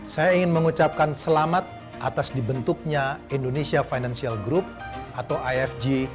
saya ingin mengucapkan selamat atas dibentuknya indonesia financial group atau ifg